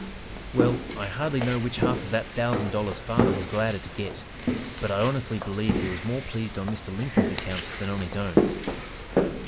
"Well, I hardly know which half of that thousand dollars father was gladder to get, but I honestly believe he was more pleased on Mr. Lincoln's account than on his own.